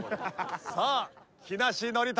さあ木梨憲武